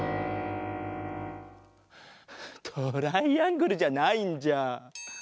トライアングルじゃないんじゃ。